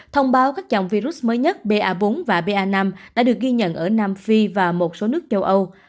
thông báo các dòng virus mới nhất ba bốn và ba năm đã được ghi nhận ở nam phi và một số nước châu âu